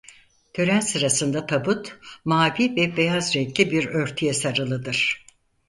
Tören sırasında tabut mavi ve beyaz renkli bir örtüye sarılıdır.